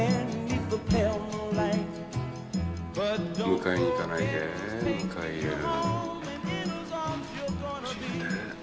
迎えに行かないで迎え入れる。